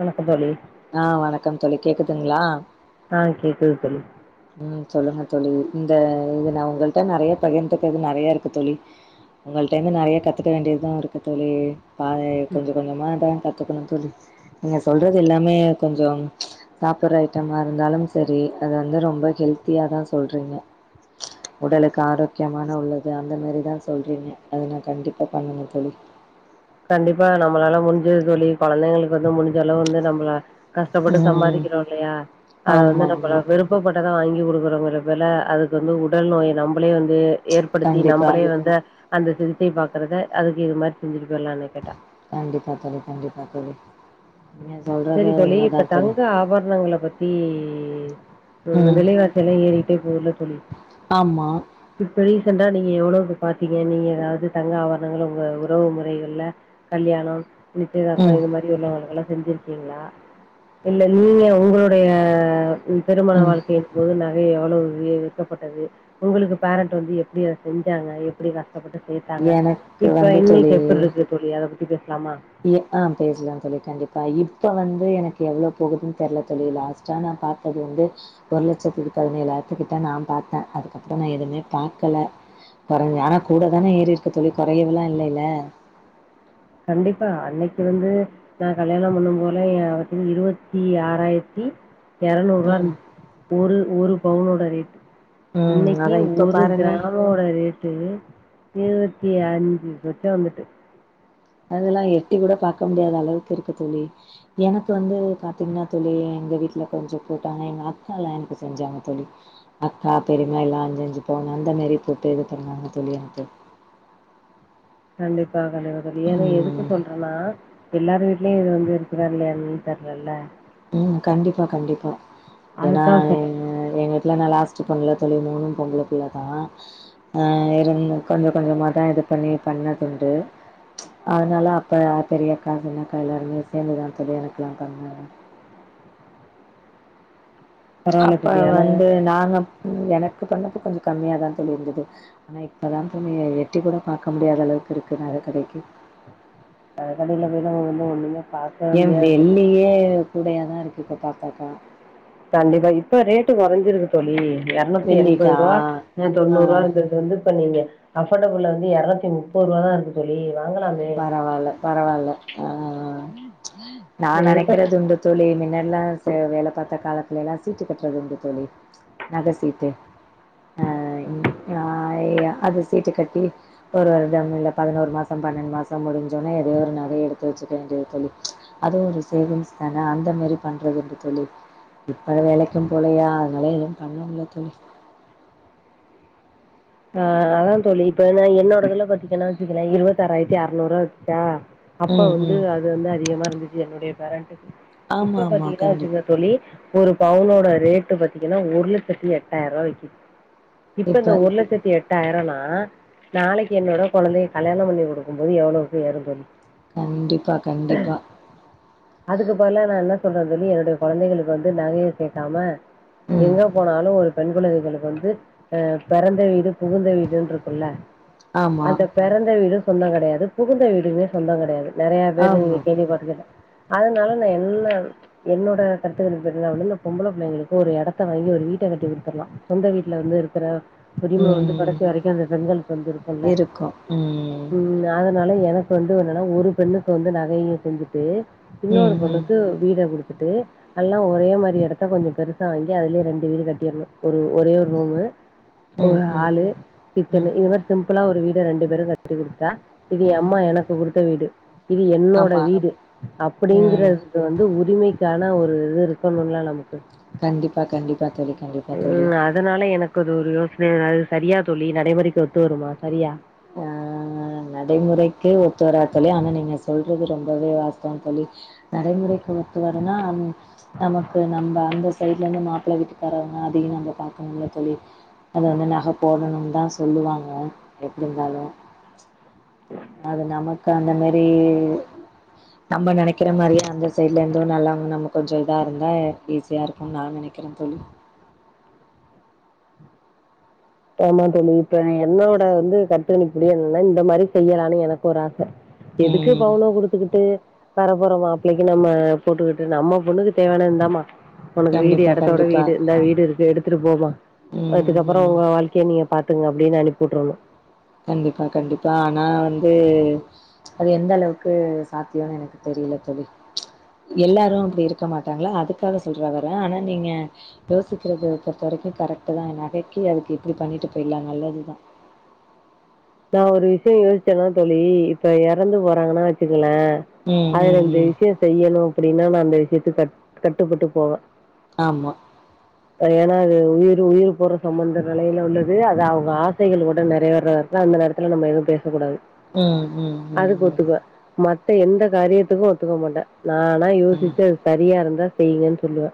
வணக்கம் தோழி ஆ வணக்கம் தோழி கேக்குதுங்களா ஆ கேக்குது தோழி உம் சொல்லுங்க தோழி இந்த இது நான் உங்களிட்ட நிறைய பகிர்ந்துக்கு இது நிறைய இருக்கு தோழி உங்கள்க்டேருந்து நிறைய கத்துக்கவேண்டியது தான் இருக்கும் தோழி பா கொஞ்சம் கொஞ்சமா தான் கத்துக்கணும் தோழி நீங்க சொல்றது எல்லாமே கொஞ்சம் சாப்ப்ற ஐட்டமா இருந்தாலும் சரி அது வந்து ரொம்ப பட் ஹெல்த்தியா தா சொல்றீங்க உடலுக்கு ஆரோக்கியமான உள்ளது அந்த மாரிதா சொல்றீங்க அத நா கண்டிப்பா பண்ணனு தோழி கண்டிப்பா நம்மளால முடிஞ்சது தோழி கொழந்தைங்களுக்கு வந்து முடிஞ்சளவு வந்து நம்பள கஷ்டப்பட்டு ம் சம்பாரிக்கிறோ இல்லையா அத வந்து ஆமா நம்மள ஆமா விருப் ப்பப்பட்டத வாங்கி குடுக்குறோங்கிறதுக்கு பதிலா அதுக்கு வந்து உடல் நோய நம்பளே வந்து ஏற்படுத்தி கண்டிப்பா நம்பளே வந்து அந்த சிகிச்சை பாக்குறத அதுக்கு இது மாரி செஞ்சுட்டு போயிற்லா என்ன கேட்டா கண்டிப்பா தோழி கண்டிப்பா தோழி நீங்க சொல்றது சரி தோழி உண்ம தா இப்ப தோழி தங்க ஆபரணங்கள பத் தி இப்ப வி ம் விலைவாசியெல்லா ஏறிகிட்டே போதுல தோழி ஆமா இப்ப ரீசென்டா நீங்க எவ்ளோக்கு பாத்தீங்க நீங்க அதாவ்து தங்க ஆவரணங்கள உங்க உறவு முறை கள்ல கல்யாண நிச்சயதார்த்த ம் இது மா ரியெல்லா நல்ல நல்லா செஞ்சிருக்கீங்ளா இல்ல நீங்க உங்களுடைய ம் திருமண ம் வாழ்க்கைய போது நகை எவளவு வி விற்கப்பட்டது உங்களுக்கு பேரண்ட் வந்து எப்டி அத செஞ்சாங்க எப்டி கஷ் டப்பட்டு சே்த்தாங்க எனக்கு இப்ப வந்து இன்னைக்கு எப்புட்ற் இருக்கு தோழி அத பத்தி பேசலாமா இ ஆம் பேசலாம் தோழி கண்டிப்பா இப்ப வந்து எனக்கு எவ்ளோ போகுதுன் தெர்ல தோழி லாஸ்ட்டா நா பாத் தது வந்து ஒரு லட்சத்தி பதினேழாயிரத்துக்கிட்ட நா பாத்தே அதுக்கப்ற நா எதுமே பாக்கல கொறஞ்சா ஆனா கூட தானே ஏறிருக்கு தோழி கொறையவுலா இல்லைல கண்டிப்பா அன்னைக்கு வந்து நா கல்யாண பண்ணும் போதுல ஏ ஒரு பவ்ன் இருவத்தி ஆறாயிரத்தி எரநூறுவா ம் இருந்துச்சு ஒரு ஒரு பவுனோட ரேட்டு ம் இன்னைக்கு அதா இப்ப ஒரு பாருங்க கிராம் மோட ரேட்டு இருவத்தி அஞ்சு சொச்சமேட்டு அதுலா எட்டி கூட பாக்க முடியாத அளவுக்கு இருக்கு தோழி எனக்கு வந்து பாத்தீங்னா தோழி எங்க வீட்ல கொஞ்ச போட்டாங்க எங்க அக்காலா எனக்கு செஞ்சாங்க தோழி அக்கா பெரிய்மா எல்லா அஞ்சஞ்சு பவுனு அந்த மாரி போட்டு இது பண்ணாங்க தோழி எனக்கு கண்டிப்பா கண்டிப்பா தோழி ஏனா எதுக்கு ம் சொல்றனா எல்லாரு வீட்லயு இது வந்து இருக்குதா இல்லையான் தெர்லல ம் கண்டிப்பா கண்டிப்பா ஏனா அதுக்காக சொல்ல எங்க வீட்ல நா லாஸ் ட்டு பொண்ணுல தோழி மூணு பொம்பள பிள்ள தா ஆ இருந்து கொஞ்ச கொஞ்சமாதா இது பண்ணி பண்ணதுண்டு அதனால அப்ப பெரியக்கா சின்னக்கா எல்லாருமே சேந்துதா தோழி எனக்குலா பண்ணாங்க பரவால்ல அப்ப தோழி. ஆனா, வந்து நாங்க ம் எனக்கு பண்ணப்போ கொஞ்ச கம்மியாதா தோழி இருந்தது ஆனா இப்பதா தோழி எட்டி கூட பாக்க முடியாத அளவுக்கு இருக்கு நகக்கடைக்கு அ கடைல போய்தா வாங்கனும்னா ஒன்னுனா ஏ வெள்ளியே கூடையாதா இருக்கு இப்ப பாத்தாக்கா கண்டிப்பா இப்ப ரேட்டு கொறஞ்சிருக்கு தோழி எர்நூத்தி எண்பது வெள்ளிக்கா ரூவா ம் ஆ தொண்ணூறு ரூவா இருந்த வந்து இப்ப நீங்க அஃபர்டபுள்ல வந்து எரநுத்தி முப்பது ரூவா தா இருக்கு தோழி வாங்கலா பரவால்ல பரவால்ல ஆ நா எதுக்கு நெனைக்கிறதுண்டு தோழி முன்னெல்லா ச வேல பாத்த காலத்துலேலா சீட்டு கட்றது உண்டு தோழி நக சீட்டு அ நீ நா ய அது சீட்டு கட்டி ஒரு வருடம் இல்ல பதுனோரு மாசம் பன்னெண்டு மாசம் முடிஞ்சோனா எதோ ஒரு நகைய எடுத்து வச்சுக்க வேண்டியது தோழி அதுவு ஒரு சேவிங்ஸ் தான அந்த மாரி பண்றதுண்டு தோழி இப்ப வேலைக்கு போலையா அதனால எது பண்ண முட்ல தோழி ஆ அதா தோழி இப்ப ஏனா என்னோடதுல பாத்தீங்கனா வச்சுக்கலே இருவத்தாறாயிரத்தி அறநூறுவா வித்துச்சா அப்ப ம் வந்து ம் அது வந்து அதிகமா இருந்துச்சு என்னுடைய பேரண்டுக்கு ஆமா இப்ப ஆமா பாத்தீங்கனா கண்டிப் சின்னது தோழி ஒரு பவுனோட ரேட்டு பாத்தீங்கனா ஒரு லெச்சத்தி எட்டாயிருவா விக்குது இப்ப இந்த ஒரு லெச் சத்தி எட்டாயிரனா நாளைக்கு என்னோட கொழந்தைய கல்யாண பண்ணி குடுக்கும் போது எவ்ளோக்கு ஏறு தோழி கண்டிப்பா கண்டிப்பா அதுக்கு பதுலா நா என்ன சொல்றே தோழி என்னுடைய கொழந்தைகளுக்கு வந்து நகையே சேக்காம ம் எங்க போனாலு ஒரு பெண் பிள்ளைகளுகளுக் வந்து அ பெறந்த வீடு புகுந்த வீடுன்ருக்குல்ல ஆமா அந்த பெறந்த வீடு சொந்தங்கெடையாது புகுந்த வீடுமே சொந்தங்கெடையாது நெறைய பேரு ஆமா. இந்த கேள்விய பாத்து கேட்ட அதுனால நா என்ன என்னோட கருத்துக்கணிப்பு எதுனா வந்து இந்த பொம்பள பிள்ளைங்களுக்கு ஒரு எடத்த வாங்கி ஒரு வீட்ட கட்டிக் குடுத்தர்லா சொந்த வீட்ல வந்து இருக்கற உரிம வந்து ம் கடைசி வரைக்கு அந்த பெண்கள்க் வந்து இருக்குல்ல ம் நா அது னால எனக்கு வந்து என்னன்னா ஒரு பெண்ணுக்கு வந்து நகையு செஞ்சிட்டு இன்னோரு ம் ம் பொண்ணுக்கு வீட குடுத்துட்டு அல்லா ஒரே மாரி எடத்த கொஞ்சோ பெருசா வாங்கி அதுலயே ரெண்டு வீடு கட்டீர்னு ஒரு ஒரே ஒரு ரூமு ம் ஒரு ம் ஹாலு, கிச்சனு ம் இது மாரி சிம்பிளா ஒரு வீட ரெண்டு பேரு கட்டிக் குடுத்துட்டா இது எ ம் அம்மா எனக்குக் குடுத்த வீடு இது என்னோட ஆமா. வீடு அப்படிங்கற ம் இது வந்து உரிமைக்கான ஒரு இது இருக்கனுல்ல நமக்கு கண்டிப்பா கண்டிப்பா தோழி கண்டிப்பா தோழி அதுனால எனக்கு அது ஒரு யோசனை அது சரியா தோழி நடைமுறைக்கு ஒத்து வருமா சரியா ஆ அ நடைமுறைக்கு ஒத்து வராத் தோழி ஆனா நீங்க சொல்றது ரொம்பவே வாஸ்துவம் தோழி நடைமுறைக்கு ஒத்து வரும்னா நமக்கு நம்ப அந்த சைடுலர்ந்து மாப்பிள வீட்டுக்காரவங்க அதயு நம்ப பாக்கணுமுல்ல தோழி அதாவ்து நஹ போடணும் தா சொல்லுவாங்க எப்டி இருந்தாலு அது நமக்கு அந்த மாரி நம்ம நெனைக் கிற மாரியே அந்த சைடுலருந்து நல்லவங்க நமக் கொஞ்சோ இதா இருந்தா ஈஸியா இருக்குன் நா நெனைக்கிற தோழி ஆமா தோழி இப்ப என்னோட வந்து கருத்து கணிப்படி எல்லா இந்த மாரி செய்யலான்னு எனக் ஒரு ஆச எதுக்கு ம் பவுனா குடுத்துக்கிட்டு வரப்போற மாப்ளைக்கு நம்ம போட்டுக்கிட்டு நம்ம பொண்ணுக்கு தேவையான இந்தாமா உனக்கு வீடு கண்டிப்பா எடத்தோட கண்டிப்பா வீடு இந்தா வீடு இருக்கு எடுத்துட்டு போமா ம் அதுக்கப்றோ ம். உங்க வாழ்க் கைய நீயே பாத்துங்க அப்டின்னு அனிப் உட்ரணு கண்டிப்பா கண்டிப்பா ஆனா வந்து அது எந்தளவுக்கு சாத்தியோனு எனக்கு தெரியில தோழி எல்லாரு அப்டி இருக்க மாட்டாங்ளா அதுக்காக சொல்ற வர ஆனா நீங்க யோசிக்கிறத பொறுத்த வரைக்கு கரெக்ட்டு தா எ நகைக்கு அதுக்கு இப்டி பண்ணிட்டு போயிர்லா நல்லது தா நா ஒரு விஷ்யோ யோஸ்ச்சனா தோழி இப்ப எறந்து போறாங்கன்னா வெச்சுக்கங்ளே ம், அதுல ம், இந்த ம். விஷ்யோ செய்யணு அப்படின்னா நா அந்த விஷ்யத்துக் கட் கட்டுப்பட்டு போவே ஆமா அது ஏனா அது உயிரு உயிர் போற சம்மந்த நெலைல உள்ளது அது அவுங்க ஆசைகளோட நெறைவேர்ற தா அந்த நேரத்துல நம்ம எதுவு பேசக்கூடாது ம், ம், ம், அதுக்கு ம். ஒத்துக்குவே மத்த எந்த காரியத்துக்கு ஒத்துக்க மாட்டே நானா யோசிச்சு சரியா இருந்தா செய்யுங்கன் சொல்லுவே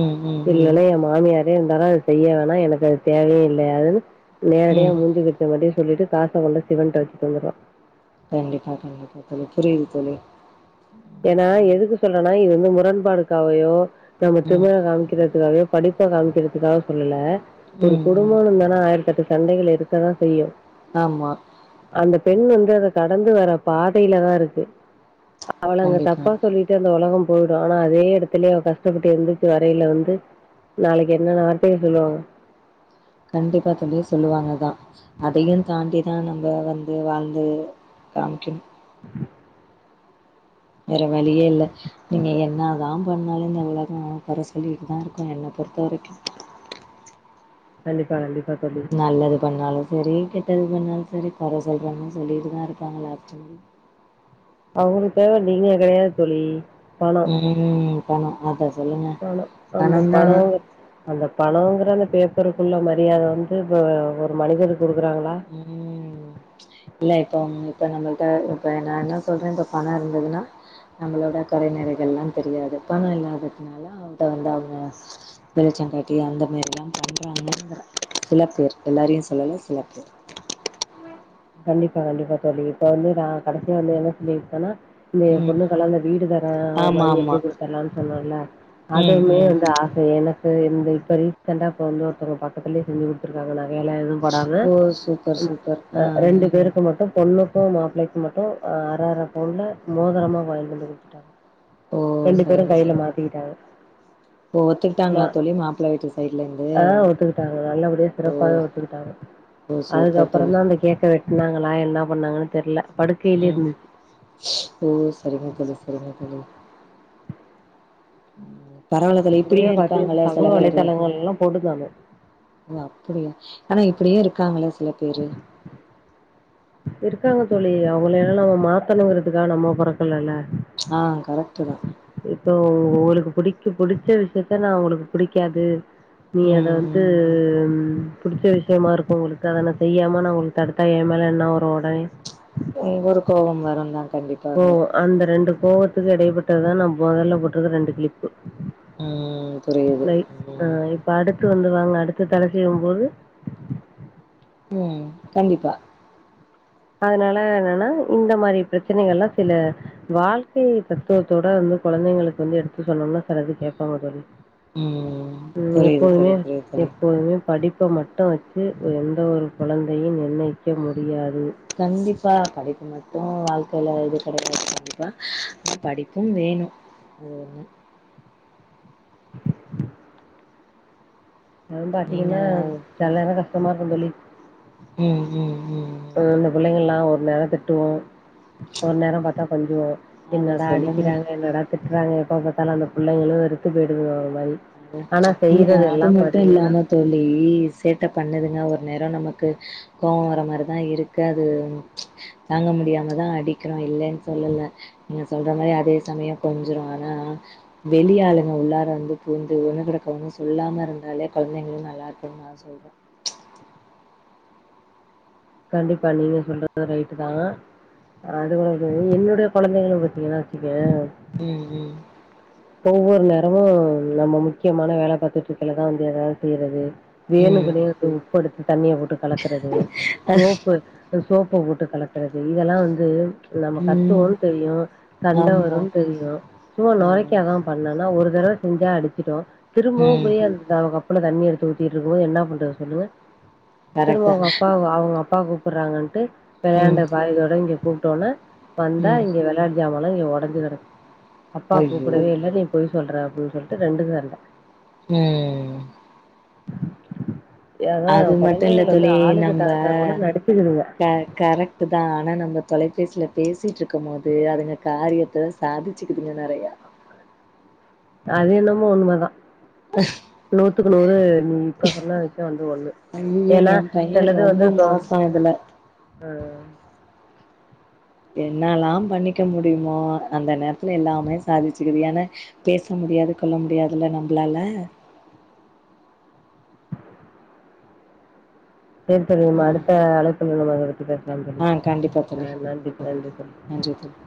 ம், ம், ம். இல்லனா எம் மாமியாரே இருந்தாலு அது செய்ய வேணா எனக்கு அது தேவையே இல்ல அதுன்னு நேரடியா ம். மூஞ்சிகிட்ட படி சொல்லிட்டு காச கொண்டு போய் சிவன்ட்ட வெச்சிட் வந்திருவோ கண்டிப்பா கண்டிப்பா தோழி புரியிது தோழி ஏன்னா எதுக்கு சொல்றனா இது வந்து முரண்பாடுக்காவயோ நம்ம திமுர காமிக்கறதுக்காவயோ படிப்ப காமிக்கிறதுக்காக சொல்லல ஒரு ம், ம். ம் குடும்பம்னு இருந்தான்னா ஆயிரத்தெட்டு சண்டைகள் இருக்க தா செய்யு ஆமா அந்த பெண் வந்து அத கடந்து வர பாதைல தா இருக்கு அவள அங்க கண்டிப்பா. தப்பா சொல்லிட்டு அந்த ஒலகம் போயிடு ஆனா அதே எடத்துலே அவ கஷ்டப்பட்டு எழ்ந்துருச்சு வரைல வந்து நாளைக்கு என்னென்ன வார்த்தைய சொல்லுவாங்க கண்டிப்பா தோழி சொல்லுவாங்க தா அதையு தாண்டி தா நம்ப வந்து வாழ்ந்து காம்க்கன். வேற வழியே இல்ல. நீங்க என்னாதா பண்ணாலு இந்த உலகோ கொற சொல்லிகிட்டு தா இருக்கு என்ன பொறுத்த வரைக்கு. கண்டிப்பா கண்டி நல்லது பண்ணாலு செரி கெட்டது பண்ணாலு செரி கொற சொல்றவுங்க சொல்லிட்டுதா இருப்பாங்கலாட்ருகுது. அவுங்குளுக் தேவ நீங்க கெடையாத் தோழி பணோ ம் பணோ அத சொல்லுங்க. ஆனா அந்த பணம் தான் பணோங்க அந்த பணோங்கற அந்த பேப்பருக்குள்ள மரியாத வந்து இப்ப வ ஒரு மனிதர்க் குடுக்குறாங்களா? ம். இல்ல இப்போ அவுங் இப்போ நம்மள்ட்ட இப்ப நா என்ன சொல்றே இப்ப பணோ இருந்ததுனா நம்மளோட கொறை நிறைகள்ல்லா தெரியாது பணோ இல்லாததுனால அவுத்த வந்து அவுங்கஸ் வெளிச்சங்காட்டி அந்த மாரில்லாம் பண்றாங்கங்கற சில பேர் எல்லாரையு சொல்லல சில பேர். கண்டிப்பா கண்டிப்பா தோழி இப்ப வந்து நா கடைசியா வந்து என்ன சொல்லிருக்கேனா ந்து ஏ ம் பொண்ணுக்கெல்லா இந்த வீடு தரே ஒரு ஆமா மாரி எழுதி ஆமா குடுத்தர்லான் சொன்னல்ல ம் அதுவுமே ம் வந்து ஆச எனக்கு இந்த இப்ப ரீசெண்டா இப்ப வந்து ஒருத்தவங்க பக்கத்துலியே செஞ்சு குடு த்துருக்காங்க நகை எல்லா எதுவு போடம ஓ சூப்பர் இப் சூப்பர் அ ஆ ரெண்டு பேருக்கு மட்டு பொண்ணுக்கு மாப்ளைக்கு மட்டு அ அர அர பவுன்ல மோதரமா வாய்ன்ட்டு வந்து குடுத்துட்டாங்க. ஓ ரெண்டு பேரு சரிங்க கைல மாத்திக்கிட்டாங்க. ஓ ஒத்துக்கிட்டாங்ளா தோழி மாப்பிள வீட்டு சைட்லந்து ஆ ஒத்துக்கிட்டாங்க. நல்லபடியா ஓ. சிறப்பாவே ஒத்துக்கிட்டாங்க. ஓ சூப்பர் அதுக்கப்புறம் தோழி. தான் அந்த கேக்க வெட்னாங்களா என்னா பண்ணாங்கனு தெர்ல படுக்கைலியே ம் இருந்துச்சு. ஓ சரிங்க ‌தோழி சரிங்க தோழி. ம் பரவால்ல‌ தோழி அதுவே இப்பிடியு பாத்தீங்கன்னா இருக்காங்கள்ல சமூக செல பேரு. வலைதளங்கள்லா போட்டுதானு ‌ஓ அப்பிடியா ஆனா இப்பிடியு இருக்காங்கள்ல சில பேரு. இருக்காங்க தோழி அவுங்கள எல்லா நம்ம மாத்தணுங்கிறதுக்காக நம்ம போறக்கல இல்ல. ஆ கரெக்ட்டு தா. இப்போ உ உங்குளுக்கு புடிக்கு புடிச்ச விஷ்யத்த நா உங்குளுக்கு புடிக்காது நீ அத ம் வந்து ம் புடிச்ச விஷ்யமா இருக்கு உங்குளுக்கு‌‌ அத நா செய்யாம நா உங்குள் தடுத்தா ஏ மேல என்ன வரு ஒடனே அங்கொரு கோவம் வருந்தா கண்டிப் ப்போ அந்த ரெண்டு கோவத்துக்கு இடைபட்டதுதா நா மொதல்ல போட்ருக்க ரெண்டு கிளிப்பு. ம் புரியுது நை ஆ ம் இப்ப அடுத்து வந்து வாங்க அடுத்து தல சீவூம்போது ம் கண்டிப்பா. அதுனால என்னன்னா இந்த மாரி பிரச்சினைகள்லா சில வாழ்க்கை தத்துவத்தோட வந்து குழந்தைங்களுக்கு வந்து எடுத்து சொன்னம்னா செல இது கேப்பாங்க தோழி. ம் ம் புரியுது எப்போதுமே தோழி புரியுது தோழி எப்போதுமே படிப்ப மட் டு வெச்சு அ எந்த ஒரு குழந்தையும் நிர்ணயிக்க முடியாது. கண்டிப்பா படிப்பு மட்டு வாழ்க்கைல இது கெடையாது கண்டிப்பா ஆனா படிப்பும் வேணு. ஓன்னு அதுவும் நீங்க பாத்திங்கன்னா செல நேரங் கஷ்டமாருக்கு தோழி. ம் ம் ம். இப்போ இந்த பிள்ளைங்கள்லா ஒரு நேரந் திட்டுவோ ஒரு நேரம் பாத்தா கொஞ்சுவோ. அத என்னடா சொல்லுங்க அடிக்கிறாங்க என்னடா திட்றாங்க‌ எப்ப பாத்தாலு அந்த புள்ளைங்குளு இருக்குது [unintelligible] ஒரு‌ மாரி அது ஆனா இல்ல செய்யறது அது எல்லா மட்டு பாத்தீங்கன்னா இல்லாம தோழி சேட்ட பண்ணுதுங்க ஒர் நேரோ நமக்கு கோவொ வர மாரிதா இருக்கு அது தாங்க முடியாமதா அடிக்கிறோ இல்லன் சொல்லல. நீங்க சொல்ற மாரி அதே சமயோ கொஞ்சுரோ ஆனா வெளி ஆளுங்க உள்ளார வந்து வந்து ஒண்ணு கிடக்க ஒன்னு சொல்லாம இருந்தாலே குழந்தைங்கலாம் நல்லா இருப்பாங்கன்னு நான் சொல்றேன் கண்டிப்பா நீங்க சொல்லறதும் ரைட் தான் அது வந்து என்னுடைய குழந்தைங்களும் பாத்தீங்கன்னா வச்சுக்கோவே ம் ம் ஒவ்வொரு நேரமும் நம்ம முக்கியமான வேல பாத்துட்ருக்கயில தா வந்து எதாது செய்றது ம், வேணுகனே உப்பு எடுத்து தண்ணிய போட்டு கலக்கறது சோப்பு சோப்ப போட்டு கலக்கறது இதெல்லா வந்து நம்ம ம். கத்துவோனு தெரியு சண்ட ஆமா. வருனு தெரியு சும்மா நோய் ம், பண்ணனா ஒரு தடவ செஞ்சா அடிச்சிட்டோ திரும்பவு ம். போய் அ தா கப்புல தண்ணி எடுத்து ஊத்திட்டு இருக்கும் போது என்னா பண்றது சொல்லுங்க திரும்ப கரெக்ட் தான். அவங்க அப்பா அவங்க அ அப்பா கூப்படறாங்கன்டு ம், விளையாண்ட பாய்கோட இங்க கூப்டோனே வந்தா ம். இங்க விளை ஞாமல்லாம் இங்க ஒடஞ்சு கெடக்கு அப்பா ஐயோ! கூப்பிடவே இல்ல நீ பொய் சொல்ற அப்டி சொல்டு ரெண்டு சண்ட ம் அதா அது மட்டும் இல்ல கொழந்தைகள் வந்து தோழி ஆளுக்கு நம்ப தகுந்தாற் போல நடிச்சுக்குதுங்க. க கரெக்டு தா ஆனா நம்ம தொலைபேசில பேசிட்டுருக்கும் போது அதுங்க காரியத்த சாதிச்சுக்குதுங்க நறையா அது என்னமோ உண்மதா நூத்துக்கு நூறு நீ இப்ப சொன்ன விஷயம் வந்து ஒண்ணு ஐயோயோ ஏன்னா என் பைய ரொம்ப மோசம் இதுல ஆ என்னல்லா பண்ணிக்க முடியுமோ அந்த நேரத்துல எல்லாமே சாதிச்சுக்குது ஏன்னா பேச முடியாது கொல்ல முடியாதுல நம்பளால செரி செரி உம் ஆ அடுத்த அழைப்புள்ள நம்ம அத பத்தி பேசலாம் தோழி ஆ கண்டிப்பா ஆ தோழி. நன்றி கண்டிப்பா ப தோழி. நன்றி ப நன்றி தோழி